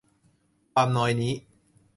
ความนอยนี้